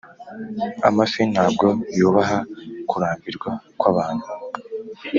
amafi ntabwo yubaha kurambirwa kwabantu,